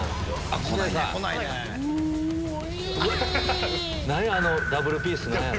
あのダブルピース。